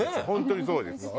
本当にそうです。